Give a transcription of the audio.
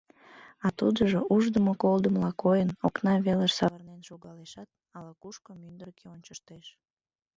А тудыжо, уждымо-колдымыла койын, окна велыш савырнен шогалешат, ала-кушко мӱндыркӧ ончыштеш.